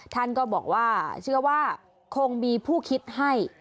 ท่านก็บอกว่าเชื่อว่าคงมีผู้คิดให้